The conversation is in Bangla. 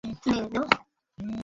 ওই এলাকাতেই ছিল তার গ্রামের বাড়ি।